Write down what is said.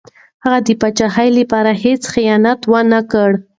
هغه د پاچاهۍ لپاره هېڅ خیانت ونه کړ.